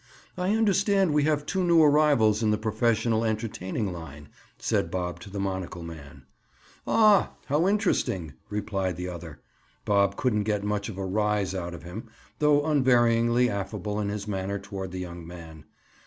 "I understand we have two new arrivals in the professional entertaining line," said Bob to the monocle man. "Aw!—how interesting!" replied the other. Bob couldn't get much of a "rise" out of him, though unvaryingly affable in his manner toward the young man.